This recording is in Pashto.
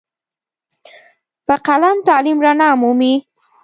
په قلم تعلیم رڼا مومي.